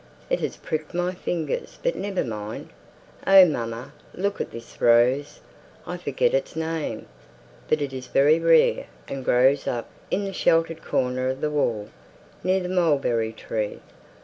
It has pricked my fingers, but never mind. Oh, mamma, look at this rose! I forget its name, but it is very rare, and grows up in the sheltered corner of the wall, near the mulberry tree.